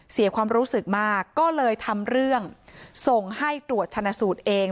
เสียความรู้สึกมากก็เลยทำเรื่องส่งให้ตรวจชนะสูตรเอง